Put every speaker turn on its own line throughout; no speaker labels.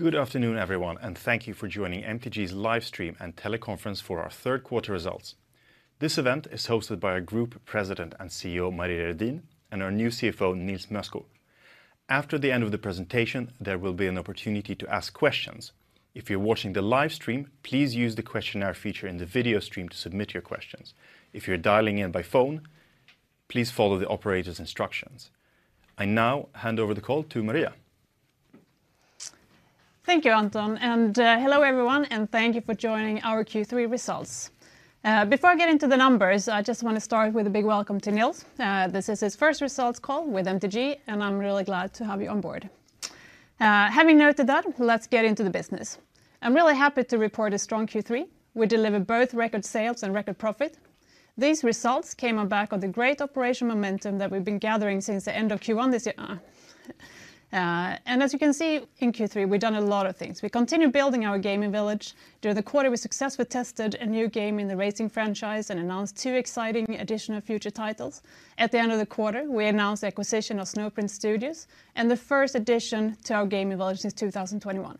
Good afternoon, everyone, and thank you for joining MTG's live stream and teleconference for our third quarter results. This event is hosted by our Group President and CEO, Maria Redin, and our new CFO, Nils Mösko. After the end of the presentation, there will be an opportunity to ask questions. If you're watching the live stream, please use the questionnaire feature in the video stream to submit your questions. If you're dialing in by phone, please follow the operator's instructions. I now hand over the call to Maria.
Thank you, Anton, and hello, everyone, and thank you for joining our Q3 results. Before I get into the numbers, I just want to start with a big welcome to Nils. This is his first results call with MTG, and I'm really glad to have you on board. Having noted that, let's get into the business. I'm really happy to report a strong Q3. We delivered both record sales and record profit. These results came on back on the great operational momentum that we've been gathering since the end of Q1 this year. And as you can see, in Q3, we've done a lot of things. We continued building our gaming village. During the quarter, we successfully tested a new game in the Racing franchise and announced two exciting additional future titles. At the end of the quarter, we announced the acquisition of Snowprint Studios, and the first addition to our gaming village since 2021.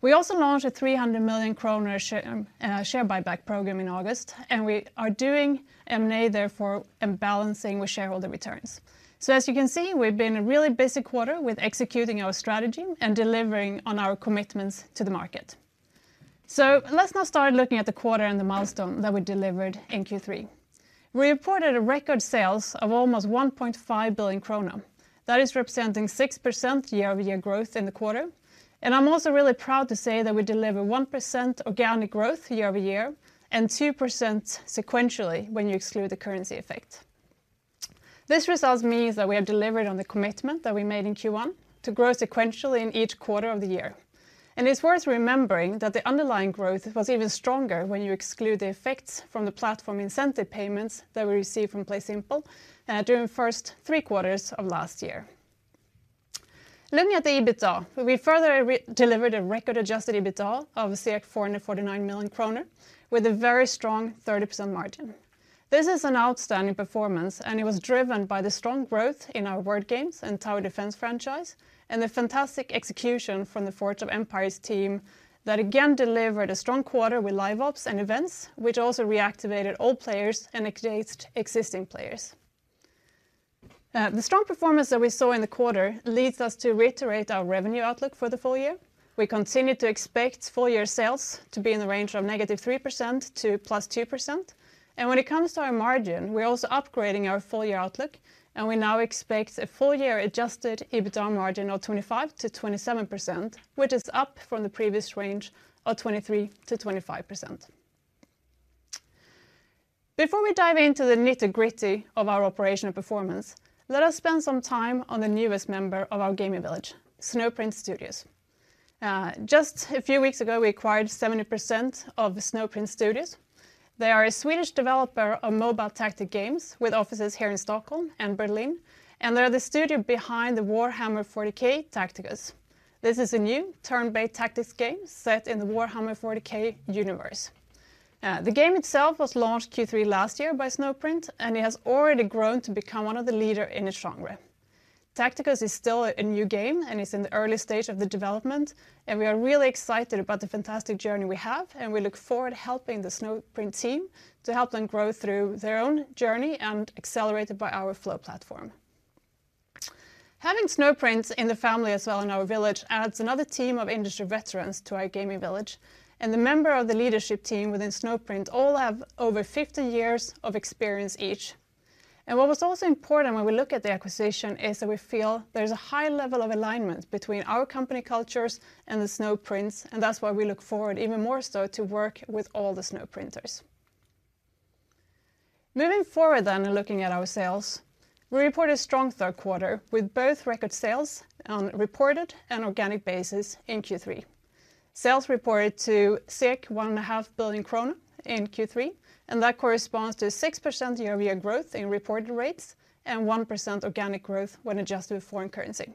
We also launched a 300 million kronor share buyback program in August, and we are doing M&A therefore, and balancing with shareholder returns. So as you can see, we've been a really busy quarter with executing our strategy and delivering on our commitments to the market. So let's now start looking at the quarter and the milestone that we delivered in Q3. We reported a record sales of almost 1.5 billion krona. That is representing 6% year-over-year growth in the quarter, and I'm also really proud to say that we deliver 1% organic growth year-over-year, and 2% sequentially when you exclude the currency effect. These results means that we have delivered on the commitment that we made in Q1 to grow sequentially in each quarter of the year, and it's worth remembering that the underlying growth was even stronger when you exclude the effects from the platform incentive payments that we received from PlaySimple during the first three quarters of last year. Looking at the EBITDA, we further delivered a record Adjusted EBITDA of 449 million kronor with a very strong 30% margin. This is an outstanding performance, and it was driven by the strong growth in our Word Games and Tower Defense franchise, and the fantastic execution from the Forge of Empires team that again delivered a strong quarter with Live Ops and events, which also reactivated all players and engaged existing players. The strong performance that we saw in the quarter leads us to reiterate our revenue outlook for the full year. We continue to expect full year sales to be in the range of -3% to +2%, and when it comes to our margin, we're also upgrading our full year outlook, and we now expect a full-year Adjusted EBITDA margin of 25%-27%, which is up from the previous range of 23%-25%. Before we dive into the nitty-gritty of our operational performance, let us spend some time on the newest member of our gaming village, Snowprint Studios. Just a few weeks ago, we acquired 70% of Snowprint Studios. They are a Swedish developer of mobile tactical games with offices here in Stockholm and Berlin, and they are the studio behind the Warhammer 40,000: Tacticus. This is a new turn-based tactics game set in the Warhammer 40,000 universe. The game itself was launched Q3 last year by Snowprint, and it has already grown to become one of the leader in its genre. Tacticus is still a new game, and it's in the early stage of the development, and we are really excited about the fantastic journey we have, and we look forward to helping the Snowprint team to help them grow through their own journey and accelerated by our Flow Platform. Having Snowprint in the family as well in our village, adds another team of industry veterans to our gaming village, and the member of the leadership team within Snowprint all have over 50 years of experience each. What was also important when we look at the acquisition is that we feel there's a high level of alignment between our company cultures and the Snowprint, and that's why we look forward even more so to work with all the Snowprinters. Moving forward then and looking at our sales, we report a strong third quarter with both record sales on reported and organic basis in Q3. Sales reported to 1.5 billion krona in Q3, and that corresponds to 6% year-over-year growth in reported rates and 1% organic growth when adjusted with foreign currency.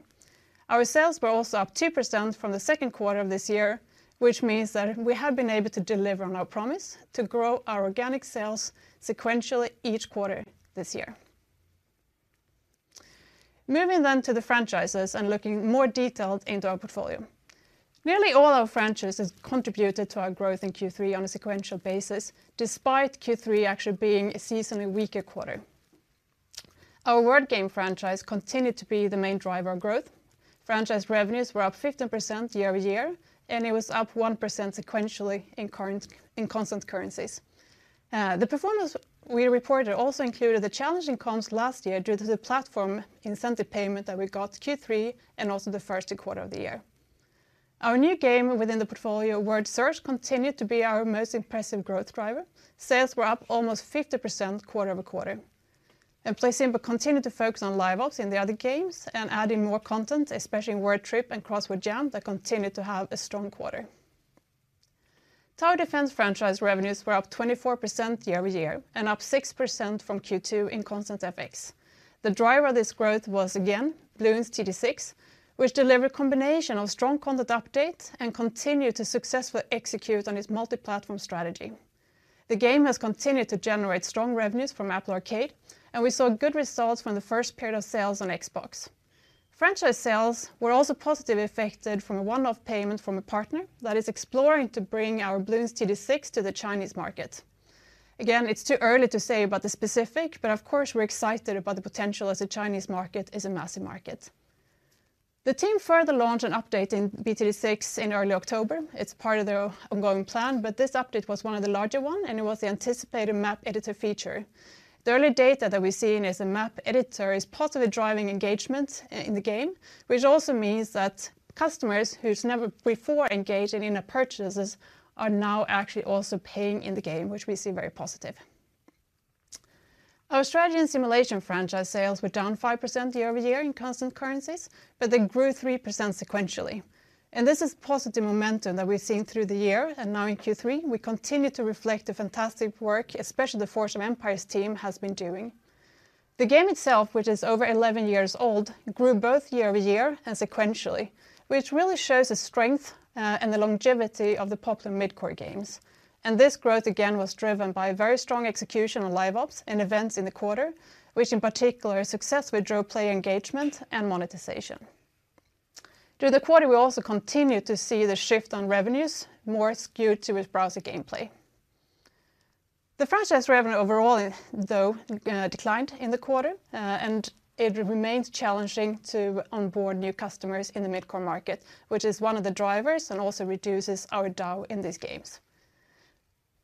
Our sales were also up 2% from the second quarter of this year, which means that we have been able to deliver on our promise to grow our organic sales sequentially each quarter this year. Moving then to the franchises and looking more detailed into our portfolio. Nearly all our franchises contributed to our growth in Q3 on a sequential basis, despite Q3 actually being a seasonally weaker quarter. Our Word Game franchise continued to be the main driver of growth. Franchise revenues were up 15% year-over-year, and it was up 1% sequentially in current, in constant currencies. The performance we reported also included the challenging comps last year due to the platform incentive payment that we got Q3, and also the first quarter of the year. Our new game within the portfolio, Word Search, continued to be our most impressive growth driver. Sales were up almost 50% quarter-over-quarter, and PlaySimple continued to focus on Live Ops in the other games and adding more content, especially in Word Trip and Crossword Jam, that continued to have a strong quarter. Tower Defense franchise revenues were up 24% year-over-year and up 6% from Q2 in constant FX. The driver of this growth was, again, Bloons TD 6, which delivered combination of strong content updates and continued to successfully execute on its multi-platform strategy. The game has continued to generate strong revenues from Apple Arcade, and we saw good results from the first period of sales on Xbox. Franchise sales were also positively affected from a one-off payment from a partner that is exploring to bring our Bloons TD 6 to the Chinese market. Again, it's too early to say about the specific, but of course, we're excited about the potential, as the Chinese market is a massive market. The team further launched an update in BTD 6 in early October. It's part of their ongoing plan, but this update was one of the larger one, and it was the anticipated map editor feature. The early data that we've seen as a map editor is positively driving engagement in the game, which also means that customers who's never before engaged in in-app purchases are now actually also paying in the game, which we see very positive. Our Strategy and Simulation franchise sales were down 5% year-over-year in constant currencies, but they grew 3% sequentially, and this is positive momentum that we've seen through the year, and now in Q3, we continue to reflect the fantastic work, especially the Forge of Empires team has been doing. The game itself, which is over 11 years old, grew both year-over-year and sequentially, which really shows the strength and the longevity of the popular mid-core games. This growth, again, was driven by a very strong execution on Live Ops and events in the quarter, which in particular, success, we drove player engagement and monetization. Through the quarter, we also continued to see the shift on revenues more skewed to with browser gameplay. The franchise revenue overall, though, declined in the quarter, and it remains challenging to onboard new customers in the mid-core market, which is one of the drivers and also reduces our DAU in these games.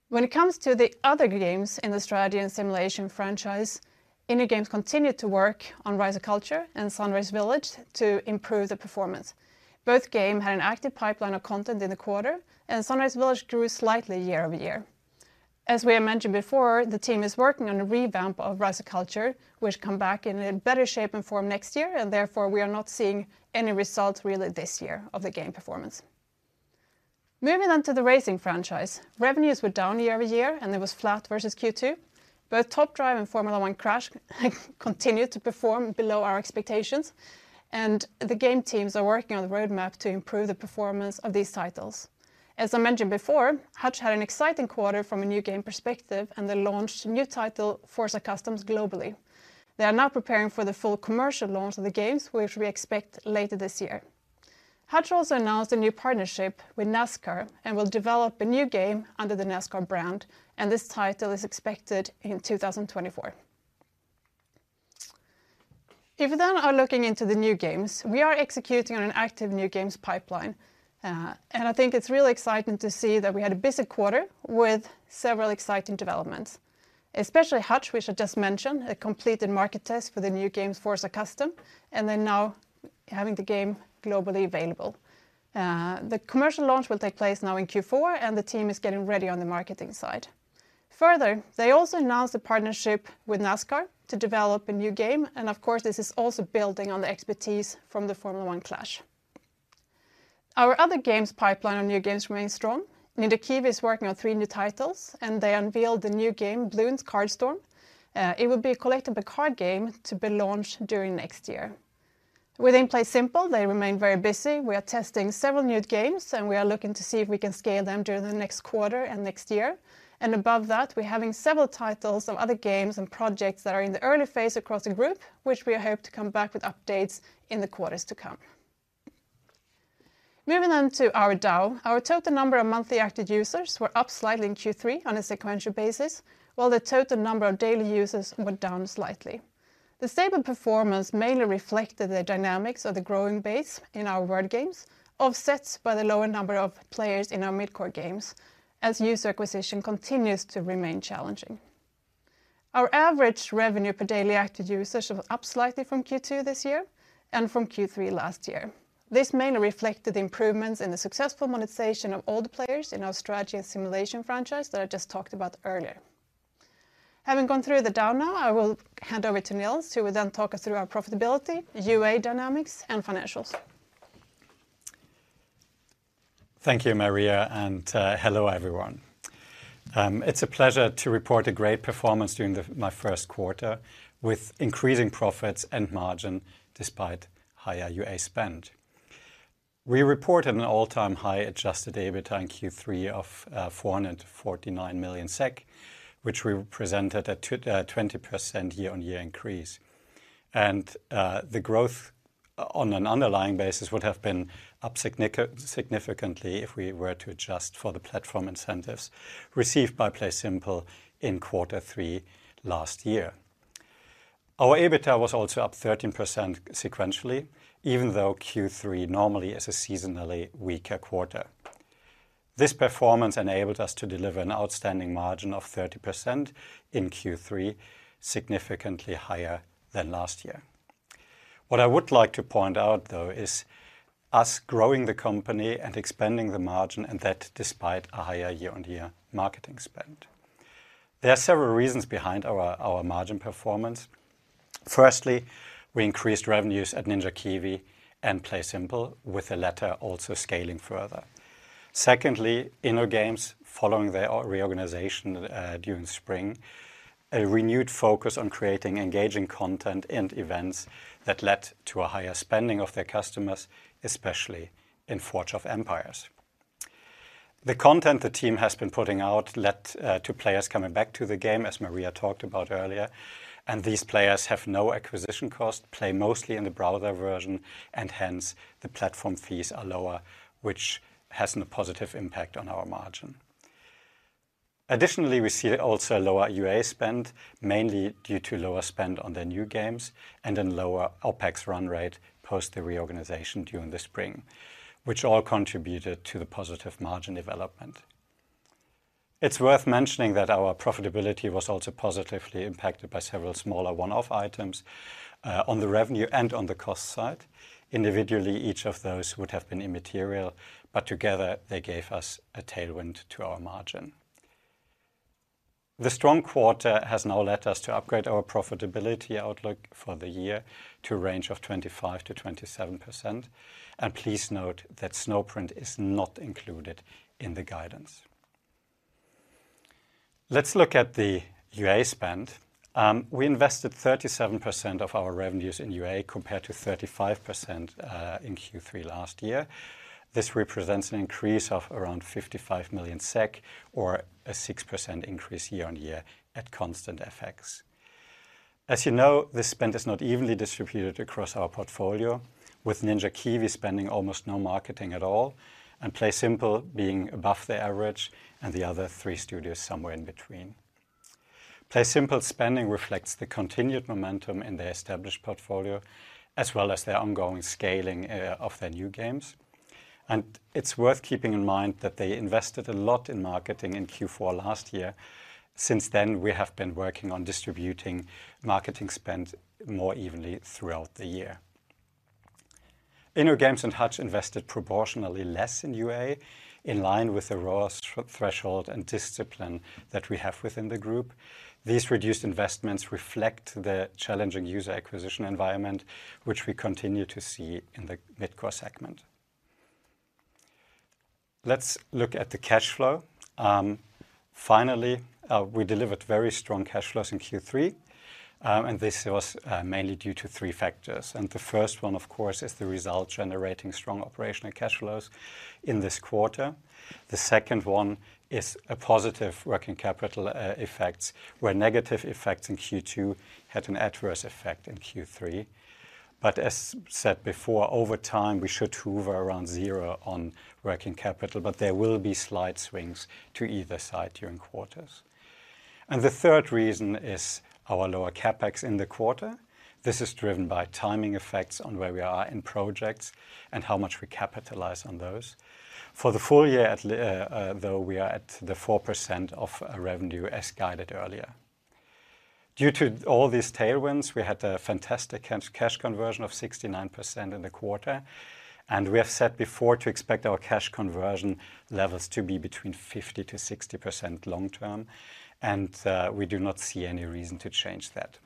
When it comes to the other games in the Strategy and Simulation franchise, InnoGames continued to work on Rise of Cultures and Sunrise Village to improve the performance. Both games had an active pipeline of content in the quarter, and Sunrise Village grew slightly year-over-year. As we have mentioned before, the team is working on a revamp of Rise of Cultures, which come back in a better shape and form next year, and therefore, we are not seeing any results really this year of the game performance. Moving on to the Racing franchise, revenues were down year-over-year, and it was flat versus Q2. Both Top Drives and F1 Clash continued to perform below our expectations, and the game teams are working on the roadmap to improve the performance of these titles. As I mentioned before, Hutch had an exciting quarter from a new game perspective, and they launched a new title, Forza Customs, globally. They are now preparing for the full commercial launch of the games, which we expect later this year. Hutch also announced a new partnership with NASCAR and will develop a new game under the NASCAR brand, and this title is expected in 2024. If we then are looking into the new games, we are executing on an active new games pipeline, and I think it's really exciting to see that we had a busy quarter with several exciting developments, especially Hutch, which I just mentioned, a completed market test for the new games, Forza Customs, and they're now having the game globally available. The commercial launch will take place now in Q4, and the team is getting ready on the marketing side. Further, they also announced a partnership with NASCAR to develop a new game, and of course, this is also building on the expertise from the F1 Clash. Our other games pipeline on new games remains strong. Ninja Kiwi is working on three new titles, and they unveiled the new game, Bloons Card Storm. It will be a collectible card game to be launched during next year. Within PlaySimple, they remain very busy. We are testing several new games, and we are looking to see if we can scale them during the next quarter and next year. And above that, we're having several titles of other games and projects that are in the early phase across the group, which we hope to come back with updates in the quarters to come. Moving on to our DAU. Our total number of monthly active users were up slightly in Q3 on a sequential basis, while the total number of daily users were down slightly. The stable performance mainly reflected the dynamics of the growing base in our word games, offsets by the lower number of players in our mid-core games, as user acquisition continues to remain challenging. Our average revenue per daily active users was up slightly from Q2 this year and from Q3 last year. This mainly reflected improvements in the successful monetization of all the players in our Strategy and Simulation franchise that I just talked about earlier. Having gone through the DAU now, I will hand over to Nils, who will then talk us through our profitability, UA dynamics, and financials.
Thank you, Maria, and hello, everyone. It's a pleasure to report a great performance during my first quarter with increasing profits and margin despite higher UA spend. We reported an all-time high Adjusted EBITDA in Q3 of 449 million SEK, which represented a 20% year-on-year increase. And the growth on an underlying basis would have been up significantly if we were to adjust for the platform incentives received by PlaySimple in quarter three last year. Our EBITDA was also up 13% sequentially, even though Q3 normally is a seasonally weaker quarter. This performance enabled us to deliver an outstanding margin of 30% in Q3, significantly higher than last year. What I would like to point out, though, is us growing the company and expanding the margin, and that despite a higher year-on-year marketing spend. There are several reasons behind our margin performance. Firstly, we increased revenues at Ninja Kiwi and PlaySimple, with the latter also scaling further. Secondly, InnoGames, following their reorganization during spring, a renewed focus on creating engaging content and events that led to a higher spending of their customers, especially in Forge of Empires. The content the team has been putting out led to players coming back to the game, as Maria talked about earlier, and these players have no acquisition cost, play mostly in the browser version, and hence, the platform fees are lower, which has a positive impact on our margin. Additionally, we see also a lower UA spend, mainly due to lower spend on the new games and then lower OpEx run rate post the reorganization during the spring, which all contributed to the positive margin development. It's worth mentioning that our profitability was also positively impacted by several smaller one-off items, on the revenue and on the cost side. Individually, each of those would have been immaterial, but together they gave us a tailwind to our margin. The strong quarter has now led us to upgrade our profitability outlook for the year to a range of 25%-27%, and please note that Snowprint is not included in the guidance. Let's look at the UA spend. We invested 37% of our revenues in UA, compared to 35%, in Q3 last year. This represents an increase of around 55 million SEK, or a 6% increase year-on-year at constant FX. As you know, this spend is not evenly distributed across our portfolio, with Ninja Kiwi spending almost no marketing at all and PlaySimple being above the average, and the other three studios somewhere in between. PlaySimple spending reflects the continued momentum in their established portfolio, as well as their ongoing scaling of their new games. It's worth keeping in mind that they invested a lot in marketing in Q4 last year. Since then, we have been working on distributing marketing spend more evenly throughout the year. InnoGames and Hutch invested proportionally less in UA, in line with the threshold and discipline that we have within the group. These reduced investments reflect the challenging user acquisition environment, which we continue to see in the mid-core segment. Let's look at the cash flow. Finally, we delivered very strong cash flows in Q3, and this was mainly due to three factors, and the first one, of course, is the result generating strong operational cash flows in this quarter. The second one is a positive working capital effects, where negative effects in Q2 had an adverse effect in Q3. But as said before, over time, we should hover around zero on working capital, but there will be slight swings to either side during quarters. And the third reason is our lower CapEx in the quarter. This is driven by timing effects on where we are in projects and how much we capitalize on those. For the full year though, we are at the 4% of revenue, as guided earlier. Due to all these tailwinds, we had a fantastic cash conversion of 69% in the quarter, and we have said before to expect our cash conversion levels to be between 50%-60% long term, and we do not see any reason to change that.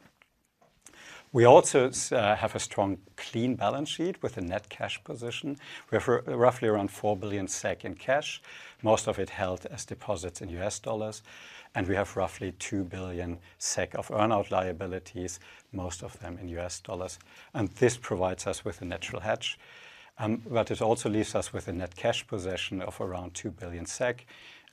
We also have a strong, clean balance sheet with a net cash position. We have roughly around 4 billion SEK in cash, most of it held as deposits in U.S. dollars, and we have roughly 2 billion SEK of earn-out liabilities, most of them in U.S. dollars, and this provides us with a natural hedge. But it also leaves us with a net cash position of around 2 billion SEK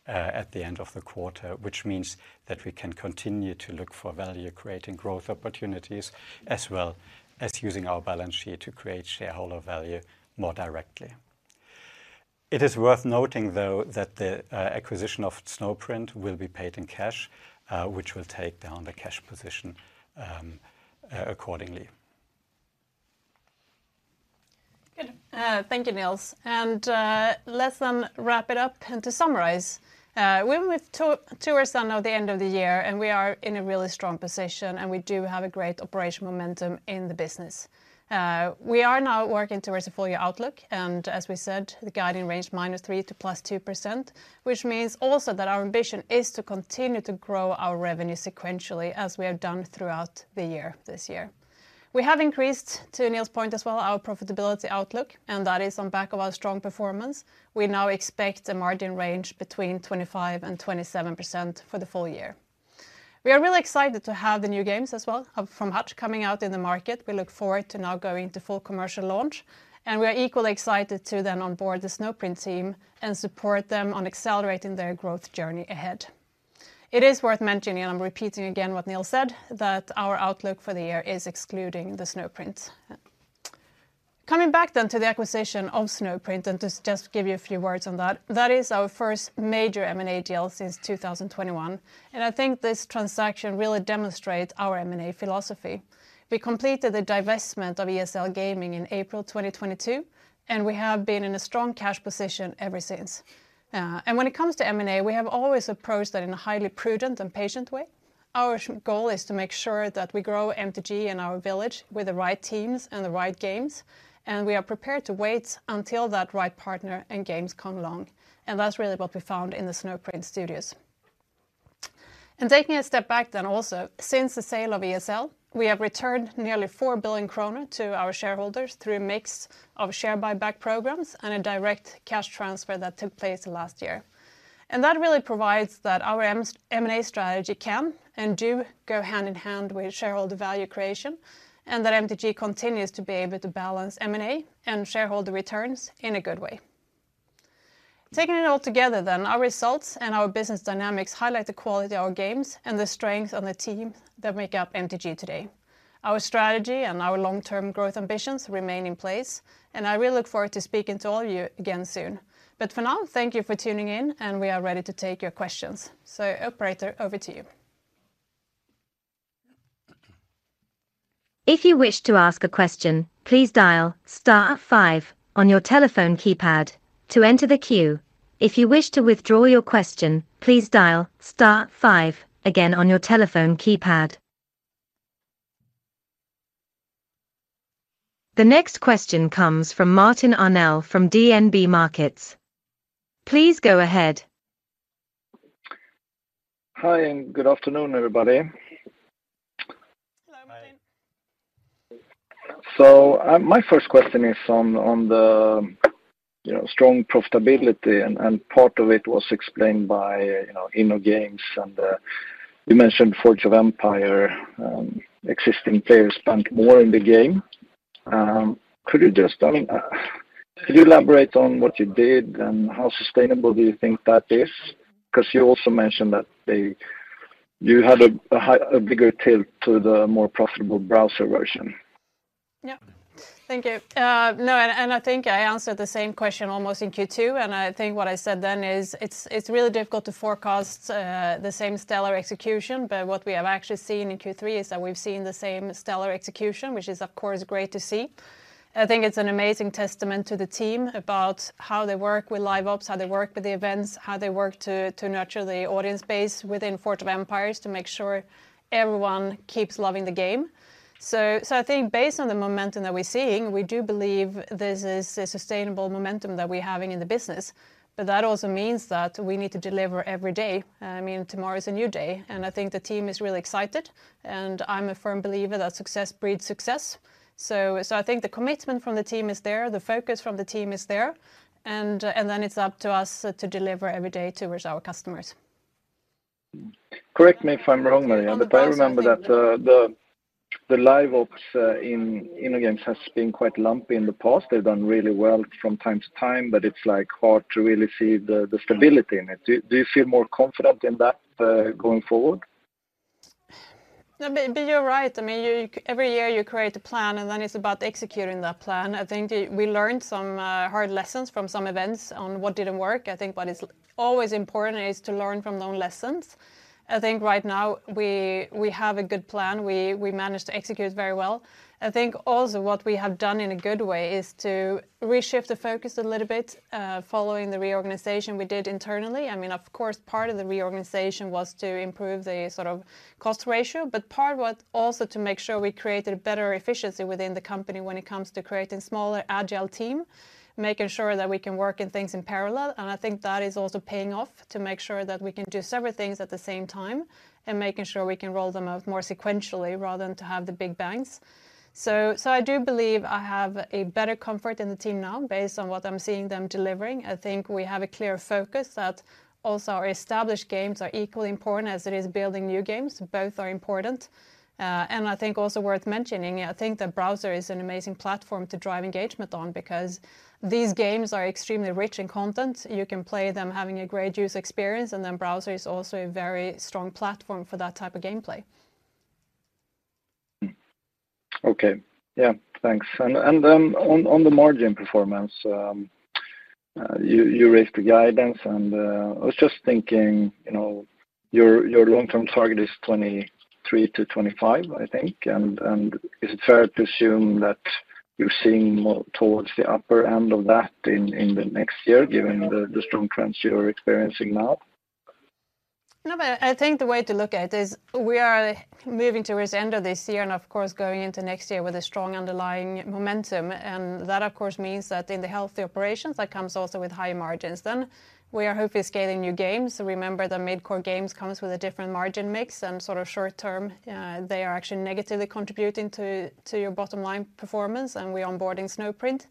at the end of the quarter, which means that we can continue to look for value-creating growth opportunities, as well as using our balance sheet to create shareholder value more directly. It is worth noting, though, that the acquisition of Snowprint will be paid in cash, which will take down the cash position accordingly.
Good. Thank you, Nils. Let's then wrap it up. To summarize, we're towards the end of the year, and we are in a really strong position, and we do have a great operational momentum in the business. We are now working towards a full year outlook, and as we said, the guiding range -3% to +2%, which means also that our ambition is to continue to grow our revenue sequentially, as we have done throughout the year, this year. We have increased, to Nils' point as well, our profitability outlook, and that is on back of our strong performance. We now expect a margin range between 25% and 27% for the full year. We are really excited to have the new games as well, from Hutch coming out in the market. We look forward to now going to full commercial launch, and we are equally excited to then onboard the Snowprint team and support them on accelerating their growth journey ahead. It is worth mentioning, and I'm repeating again what Nils said, that our outlook for the year is excluding the Snowprint. Coming back then to the acquisition of Snowprint, and to just give you a few words on that, that is our first major M&A deal since 2021, and I think this transaction really demonstrates our M&A philosophy. We completed the divestment of ESL Gaming in April 2022, and we have been in a strong cash position ever since. And when it comes to M&A, we have always approached that in a highly prudent and patient way. Our goal is to make sure that we grow MTG and our portfolio with the right teams and the right games, and we are prepared to wait until that right partner and games come along, and that's really what we found in the Snowprint Studios. Taking a step back then also, since the sale of ESL, we have returned nearly 4 billion kronor to our shareholders through a mix of share buyback programs and a direct cash transfer that took place last year, and that really provides that our M&A strategy can and do go hand-in-hand with shareholder value creation, and that MTG continues to be able to balance M&A and shareholder returns in a good way. Taking it all together then, our results and our business dynamics highlight the quality of our games and the strength of the team that make up MTG today. Our strategy and our long-term growth ambitions remain in place, and I really look forward to speaking to all of you again soon. But for now, thank you for tuning in, and we are ready to take your questions. So Operator, over to you.
If you wish to ask a question, please dial star five on your telephone keypad to enter the queue. If you wish to withdraw your question, please dial star five again on your telephone keypad. The next question comes from Martin Arnell from DNB Markets. Please go ahead.
Hi, and good afternoon, everybody.
Hello, Martin.
So, my first question is on the strong profitability, and part of it was explained by InnoGames and you mentioned Forge of Empires existing players spent more in the game. Could you just, I mean, could you elaborate on what you did and how sustainable do you think that is? 'Cause you also mentioned that you had a bigger tilt to the more profitable browser version.
Yeah. Thank you. No, and I think I answered the same question almost in Q2, and I think what I said then is, it's really difficult to forecast the same stellar execution. But what we have actually seen in Q3 is that we've seen the same stellar execution, which is, of course, great to see. I think it's an amazing testament to the team about how they work with Live Ops, how they work with the events, how they work to nurture the audience base within Forge of Empires to make sure everyone keeps loving the game. So I think based on the momentum that we're seeing, we do believe this is a sustainable momentum that we're having in the business, but that also means that we need to deliver every day. I mean, tomorrow is a new day, and I think the team is really excited, and I'm a firm believer that success breeds success. So, so I think the commitment from the team is there, the focus from the team is there, and, and then it's up to us to deliver every day towards our customers.
Correct me if I'm wrong, Maria, but I remember that the live ops in InnoGames has been quite lumpy in the past. They've done really well from time to time, but it's, like, hard to really see the stability in it. Do you feel more confident in that going forward?
No, but you're right. I mean, every year you create a plan, and then it's about executing that plan. I think we learned some hard lessons from some events on what didn't work. I think what is always important is to learn from those lessons. I think right now we have a good plan. We managed to execute very well. I think also what we have done in a good way is to reshift the focus a little bit following the reorganization we did internally. I mean, of course, part of the reorganization was to improve the sort of cost ratio, but part was also to make sure we created a better efficiency within the company when it comes to creating smaller, agile team, making sure that we can work in things in parallel. I think that is also paying off to make sure that we can do several things at the same time, and making sure we can roll them out more sequentially rather than to have the big bangs. So, so I do believe I have a better comfort in the team now, based on what I'm seeing them delivering. I think we have a clear focus that also our established games are equally important as it is building new games. Both are important. And I think also worth mentioning, I think the browser is an amazing platform to drive engagement on because these games are extremely rich in content. You can play them having a great user experience, and then browser is also a very strong platform for that type of gameplay.
Okay. Yeah, thanks. On the margin performance, you raised the guidance and I was just thinking, you know, your long-term target is 23-25, I think. Is it fair to assume that you're seeing more towards the upper end of that in the next year, given the strong trends you are experiencing now?
No, but I think the way to look at it is we are moving towards the end of this year and, of course, going into next year with a strong underlying momentum. And that, of course, means that in the healthy operations, that comes also with higher margins, then we are hopefully scaling new games. So remember, the mid-core games comes with a different margin mix, and sort of short term, they are actually negatively contributing to your bottom line performance, and we're onboarding Snowprint.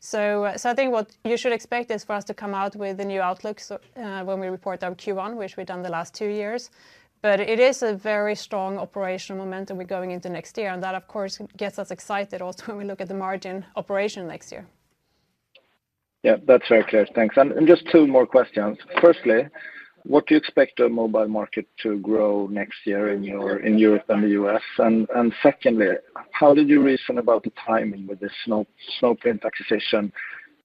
So, so I think what you should expect is for us to come out with a new outlook, so, when we report our Q1, which we've done the last two years. But it is a very strong operational momentum we're going into next year, and that, of course, gets us excited also when we look at the margin operation next year.
Yeah, that's very clear. Thanks. And just two more questions. Firstly, what do you expect the mobile market to grow next year in Europe and the U.S.? And secondly, how did you reason about the timing with the Snowprint acquisition?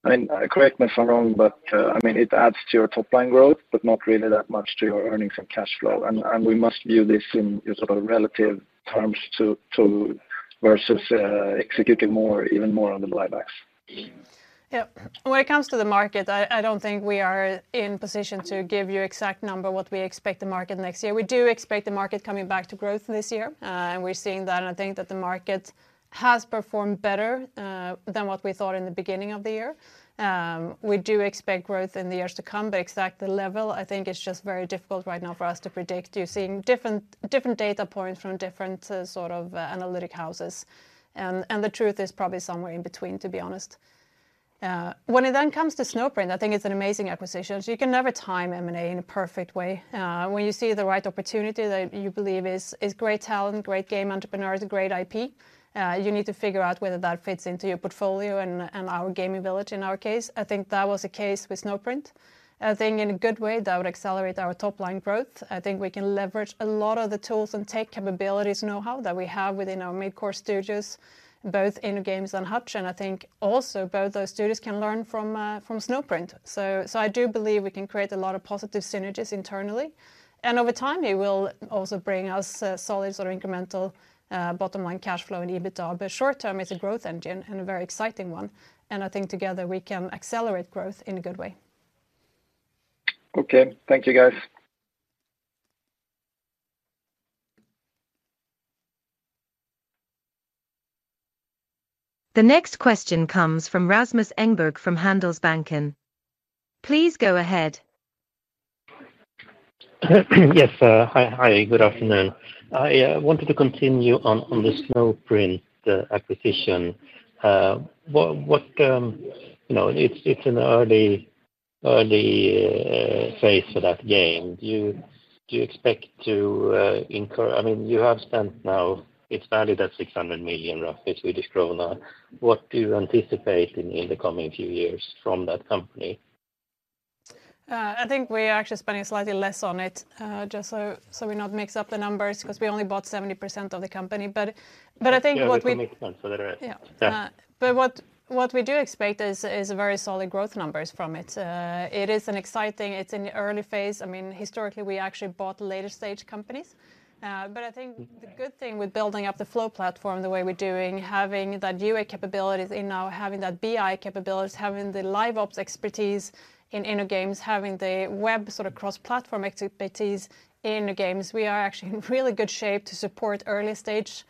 I mean, correct me if I'm wrong, but I mean, it adds to your top line growth, but not really that much to your earnings and cash flow. And we must view this in sort of relative terms to versus executing more, even more on the buybacks.
Yeah. When it comes to the market, I, I don't think we are in position to give you exact number what we expect the market next year. We do expect the market coming back to growth this year. We're seeing that, and I think that the market has performed better than what we thought in the beginning of the year. We do expect growth in the years to come, but exact the level, I think it's just very difficult right now for us to predict. You're seeing different, different data points from different, sort of, analytic houses. The truth is probably somewhere in between, to be honest. When it then comes to Snowprint, I think it's an amazing acquisition. So you can never time M&A in a perfect way. When you see the right opportunity that you believe is great talent, great game entrepreneurs, a great IP, you need to figure out whether that fits into your portfolio and our gaming village, in our case. I think that was the case with Snowprint. I think in a good way, that would accelerate our top-line growth. I think we can leverage a lot of the tools and tech capabilities, know-how, that we have within our mid-core studios, both in InnoGames and Hutch. And I think also both those studios can learn from Snowprint. So I do believe we can create a lot of positive synergies internally, and over time it will also bring us solid sort of incremental bottom-line cash flow and EBITDA. Short term, it's a growth engine and a very exciting one, and I think together we can accelerate growth in a good way.
Okay. Thank you, guys.
The next question comes from Rasmus Engberg from Handelsbanken. Please go ahead.
Yes, hi, hi, good afternoon. I wanted to continue on the Snowprint acquisition. What... you know, it's an early phase for that game. Do you expect to incur—I mean, you have spent now, it's valued at 600 million roughly. It's Swedish krona. What do you anticipate in the coming few years from that company?
I think we are actually spending slightly less on it, just so we not mix up the numbers, 'cause we only bought 70% of the company. But I think what we-
Yeah, it will make sense for the rest.
Yeah.
Yeah.
But what we do expect is very solid growth numbers from it. It is an exciting—it's in early phase. I mean, historically, we actually bought later-stage companies. But I think the good thing with building up the flow platform the way we're doing, having that UA capabilities in now, having that BI capabilities, having the Live Ops expertise in InnoGames, having the web sort of cross-platform expertise in InnoGames, we are actually in really good shape to support early-stage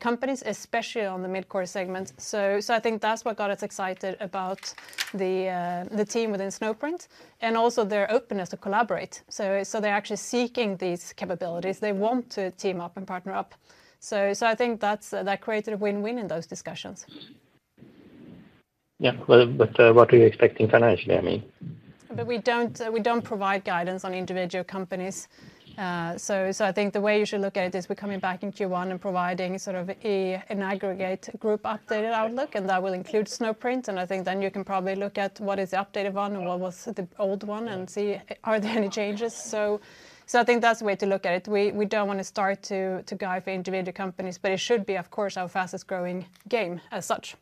companies, especially on the mid-core segment. So I think that's what got us excited about the team within Snowprint, and also their openness to collaborate. So they're actually seeking these capabilities. They want to team up and partner up. So I think that's that created a win-win in those discussions.
Yeah. Well, but, what are you expecting financially, I mean?
But we don't, we don't provide guidance on individual companies. So, so I think the way you should look at it is we're coming back in Q1 and providing sort of a, an aggregate group updated outlook, and that will include Snowprint. And I think then you can probably look at what is the updated one and what was the old one and see are there any changes. So, so I think that's the way to look at it. We, we don't want to start to, to guide for individual companies, but it should be, of course, our fastest growing game as such.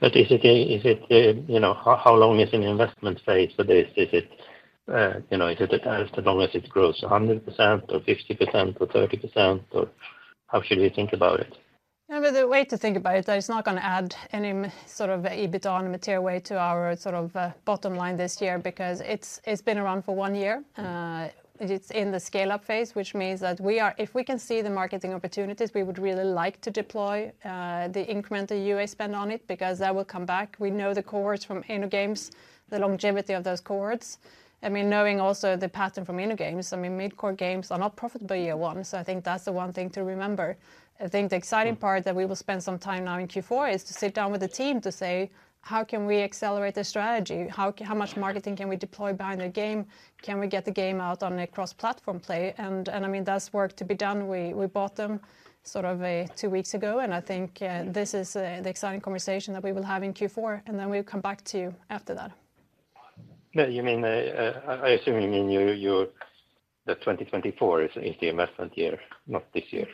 But is it a, is it? You know, how long is an investment phase for this? Is it, you know, is it as long as it grows 100%, or 50%, or 30%, or how should we think about it?
Yeah, but the way to think about it, that it's not gonna add any sort of EBITDA in a material way to our sort of bottom line this year, because it's been around for one year. It's in the scale-up phase, which means that we are—if we can see the marketing opportunities, we would really like to deploy the incremental UA spend on it, because that will come back. We know the cohorts from InnoGames, the longevity of those cohorts. I mean, knowing also the pattern from InnoGames, I mean, mid-core games are not profitable year one, so I think that's the one thing to remember. I think the exciting part that we will spend some time now in Q4 is to sit down with the team to say: How can we accelerate the strategy? How much marketing can we deploy behind the game? Can we get the game out on a cross-platform play? And I mean, that's work to be done. We bought them sort of two weeks ago, and I think this is the exciting conversation that we will have in Q4, and then we'll come back to you after that.
Yeah, you mean, I assume you mean that 2024 is the investment year, not this year?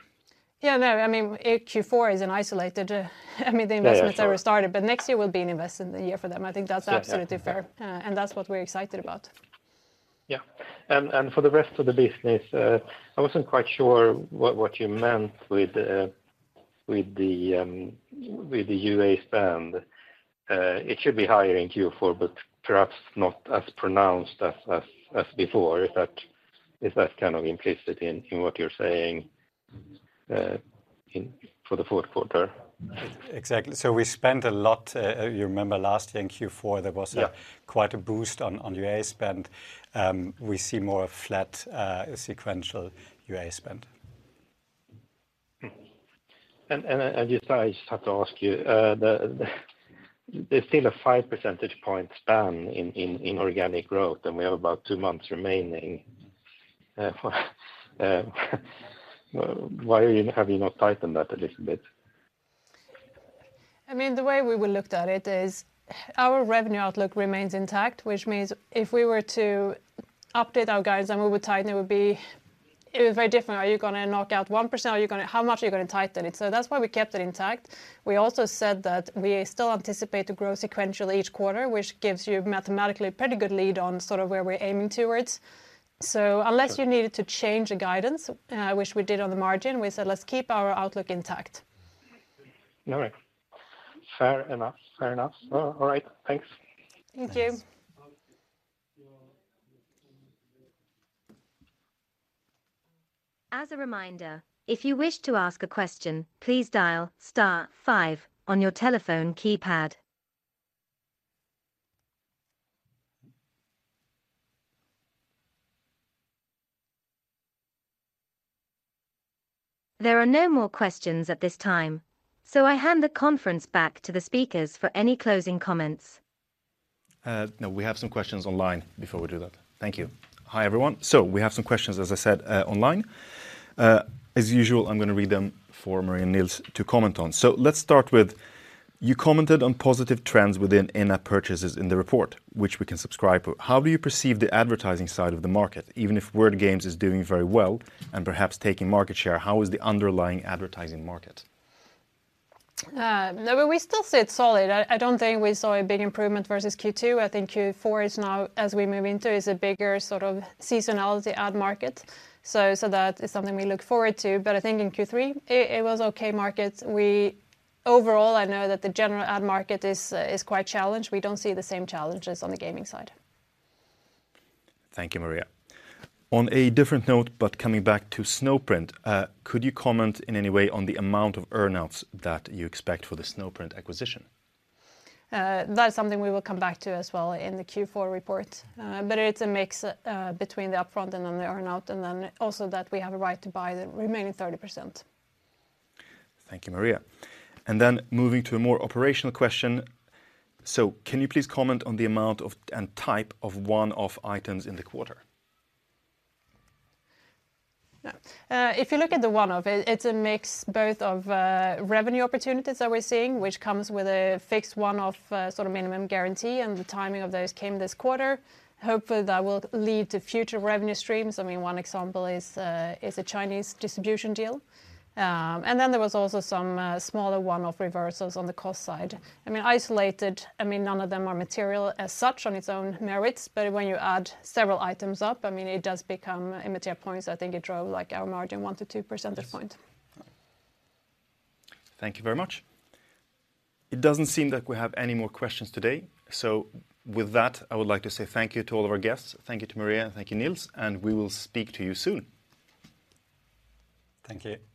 Yeah, no, I mean, Q4 is an isolated, I mean-
Yeah, sure...
the investments already started, but next year will be an investment year for them. I think that's-
Yeah...
absolutely fair, and that's what we're excited about.
Yeah. And for the rest of the business, I wasn't quite sure what you meant with the UA spend. It should be higher in Q4, but perhaps not as pronounced as before. Is that kind of implicit in what you're saying for the fourth quarter?
Exactly. So we spent a lot. You remember last year in Q4, there was a-
Yeah...
quite a boost on UA spend. We see more flat sequential UA spend.
Hmm. And just, I just have to ask you, there's still a 5 percentage point span in organic growth, and we have about two months remaining. Why are you-- have you not tightened that a little bit?
I mean, the way we would looked at it is, our revenue outlook remains intact, which means if we were to update our guidance and we would tighten, it would be, it was very different. Are you gonna knock out 1%? Are you gonna... How much are you gonna tighten it? So that's why we kept it intact. We also said that we still anticipate to grow sequentially each quarter, which gives you mathematically a pretty good lead on sort of where we're aiming towards. So unless you needed to change the guidance, which we did on the margin, we said, "Let's keep our outlook intact.
All right. Fair enough. Fair enough. Well, all right. Thanks.
Thank you.
As a reminder, if you wish to ask a question, please dial star five on your telephone keypad. There are no more questions at this time, so I hand the conference back to the speakers for any closing comments.
No, we have some questions online before we do that. Thank you. Hi, everyone. So we have some questions, as I said, online. As usual, I'm gonna read them for Maria and Nils to comment on. So let's start with, you commented on positive trends within in-app purchases in the report, which we can subscribe to. How do you perceive the advertising side of the market? Even if Word Games is doing very well and perhaps taking market share, how is the underlying advertising market?
No, we still see it solid. I don't think we saw a big improvement versus Q2. I think Q4 is now, as we move into, is a bigger sort of seasonality ad market. So that is something we look forward to, but I think in Q3, it was okay markets. Overall, I know that the general ad market is quite challenged. We don't see the same challenges on the gaming side.
Thank you, Maria. On a different note, but coming back to Snowprint, could you comment in any way on the amount of earn-outs that you expect for the Snowprint acquisition?
That is something we will come back to as well in the Q4 report. But it's a mix between the upfront and then the earn-out, and then also that we have a right to buy the remaining 30%.
Thank you, Maria. And then moving to a more operational question: So can you please comment on the amount of, and type of one-off items in the quarter?
Yeah. If you look at the one-off, it's a mix both of revenue opportunities that we're seeing, which comes with a fixed one-off, sort of minimum guarantee, and the timing of those came this quarter. Hopefully, that will lead to future revenue streams. I mean, one example is a Chinese distribution deal. And then there was also some smaller one-off reversals on the cost side. I mean, isolated, none of them are material as such on its own merits, but when you add several items up, it does become a material point, so I think it drove, like, our margin 1-2 percentage points.
Thank you very much. It doesn't seem like we have any more questions today, so with that, I would like to say thank you to all of our guests. Thank you to Maria, and thank you, Nils, and we will speak to you soon.
Thank you.